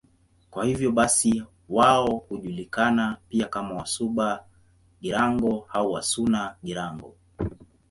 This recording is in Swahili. Kwa hiyo basi wao hujulikana pia kama Wasuba-Girango au Wasuna-Girango.